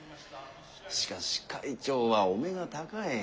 しかし会長はお目が高い！